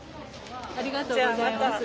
ありがとうございます。